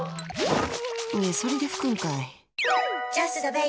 それで拭くんかい！